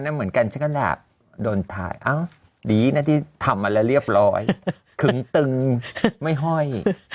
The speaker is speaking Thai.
น้ำเหมือนการแข่งการจะแล้วโดนถ่ายอีนาดิทามันแล้วเรียบร้อยถึงตึงไม่ห่อย